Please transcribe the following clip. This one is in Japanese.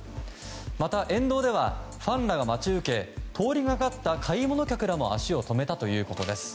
また沿道ではファンらが待ち受け通りがかった買い物客らも足を止めたということです。